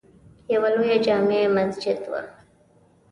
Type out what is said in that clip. یوه لویه جامع مسجد وه.